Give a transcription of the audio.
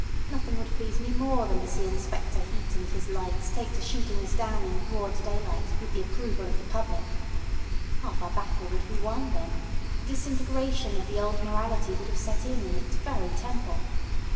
Nothing would please me more than to see Inspector Heat and his likes take to shooting us down in broad daylight with the approval of the public. Half our battle would be won then; the disintegration of the old morality would have set in in its very temple.